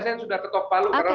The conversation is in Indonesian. bssn sudah ketok palu karena